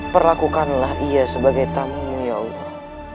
perlakukanlah ia sebagai tamumu ya allah